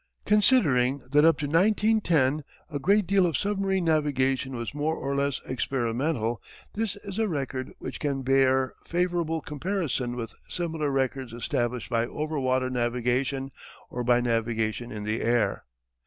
Considering that up to 1910 a great deal of submarine navigation was more or less experimental this is a record which can bear favourable comparison with similar records established by overwater navigation or by navigation in the air.